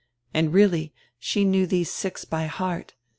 And, really, she knew these six by heart.